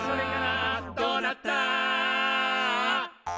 「どうなった？」